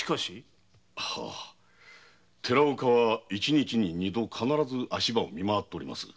寺岡は一日に二度必ず足場を見回っております。